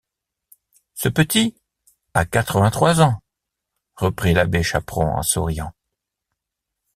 Ce petit a quatre-vingt-trois ans, reprit l’abbé Chaperon en souriant.